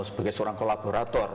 sebagai seorang kolaborator